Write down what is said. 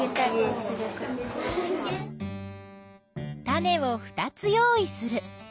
種を２つ用意する。